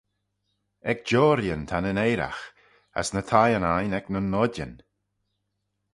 Ec joarreeyn ta nyn eiraght, as ny thieyn ain ec nyn noidyn.